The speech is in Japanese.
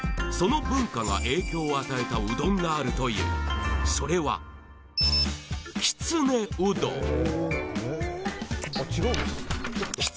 その文化が影響を与えたうどんがあるというそれはきつねうどん